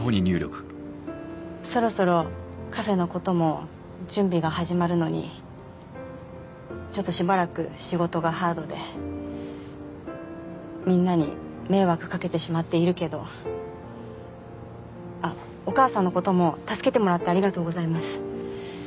そろそろカフェのことも準備が始まるのにちょっとしばらく仕事がハードでみんなに迷惑かけてしまっているけどあっお母さんのことも助けてもらってありがとうございます